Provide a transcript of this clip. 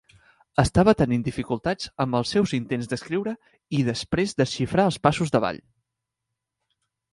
Estava tenint dificultats amb els seus intents d'escriure i després desxifrar els passos de ball.